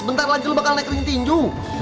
bentar lagi lo bakal naik ring tinju